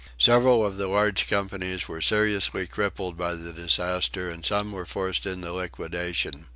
Several of the largest companies were seriously crippled by the disaster and some were forced into liquidation.